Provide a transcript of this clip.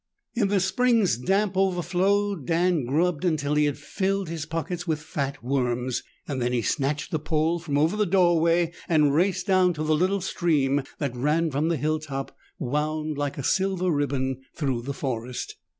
In the spring's damp overflow Dan grubbed until he had filled his pocket with fat worms. Then he snatched the pole from over the doorway and raced down to the little stream that from the hilltop wound like a silver ribbon through the forest.